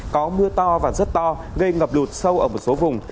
có mưa to và rất to gây ngập lụt sâu ở một số vùng